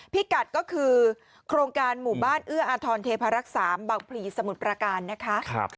พิกัดก็คือโครงการหมู่บ้านเอื้ออาทรเทพารักษาบางพลีสมุทรประการนะคะ